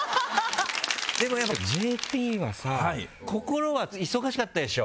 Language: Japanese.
でもやっぱりＪＰはさ心は忙しかったでしょ？